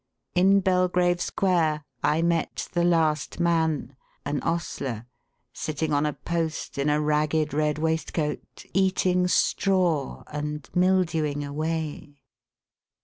In Belgrave Square I met the last man—an ostler—sitting on a post in a ragged red waistcoat, eating straw, and mildewing away.